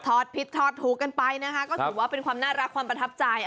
ผิดถอดถูกกันไปนะคะก็ถือว่าเป็นความน่ารักความประทับใจ